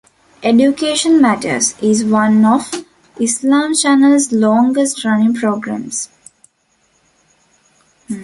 "Education Matters" is one of Islam Channel's longest running programmes.